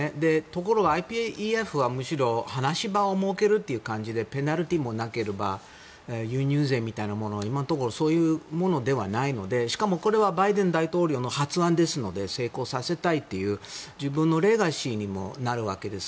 ところが、ＩＰＥＦはむしろ話し場を設ける感じでペナルティーもなければ輸入税も今のところそういうものではないのでしかもこれはバイデン大統領の発案ですので成功させたいという自分のレガシーにもなるわけです。